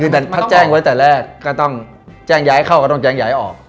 คือถ้าแจ้งไว้แต่แรกก็ต้องแจ้งย้ายเข้าก็ต้องแจ้งย้ายออก